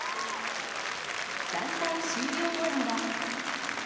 団体終了後には。